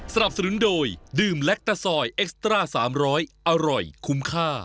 ซื้อก็ซื้อผม